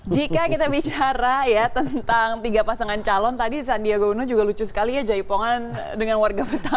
jika kita bicara ya tentang tiga pasangan calon tadi sandiaga uno juga lucu sekali ya jaipongan dengan warga betawi